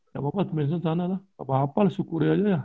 gak apa apa misalnya sana lah gak apa apa lah syukur aja ya